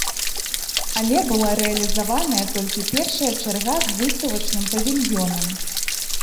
Але была рэалізаваная толькі першая чарга з выставачным павільёнам.